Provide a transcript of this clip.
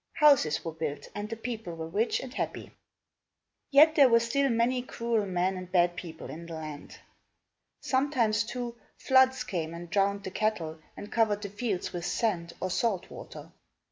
Houses were built and the people were rich and happy. Yet there were still many cruel men and bad people in the land. Sometimes, too, floods came and drowned the cattle and covered the fields with sand, or salt water.